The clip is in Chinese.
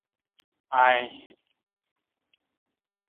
埃尔夫河畔圣皮耶尔。